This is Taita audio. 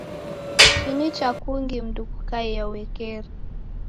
Si nicha kungi mndu kukaia uekeri.